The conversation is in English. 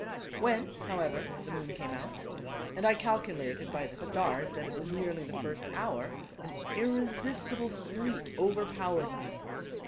When, however, the moon came out, and I calculated by the stars, that it was nearly the first hour, an irresistible sleep overpowered me.